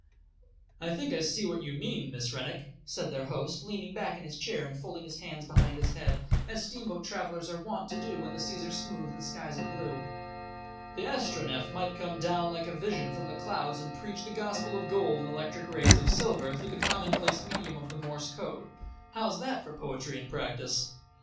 "I think I see what you mean, Miss Rennick," said their host, leaning back in his chair and folding his hands behind his head, as steamboat travellers are wont to do when seas are smooth and skies are blue. "The Astronef might come down like a vision from the clouds and preach the Gospel of Gold in electric rays of silver through the commonplace medium of the Morse Code. How's that for poetry and practice?"